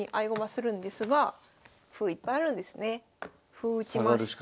歩打ちまして。